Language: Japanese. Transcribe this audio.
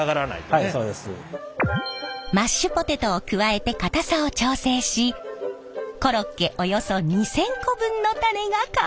はいそうです。マッシュポテトを加えて硬さを調整しコロッケおよそ２，０００個分のタネが完成。